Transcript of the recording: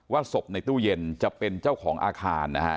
ศพในตู้เย็นจะเป็นเจ้าของอาคารนะฮะ